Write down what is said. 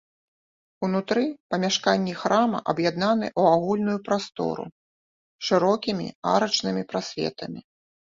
Унутры памяшканні храма аб'яднаны ў агульную прастору шырокімі арачнымі прасветамі.